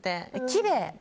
きれい。